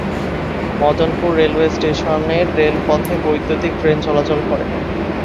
Madanpur railway স্টেশনের রেলপথে বৈদ্যুতীক ট্রেন চলাচল করে।